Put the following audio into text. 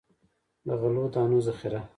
د غلو دانو ذخیره.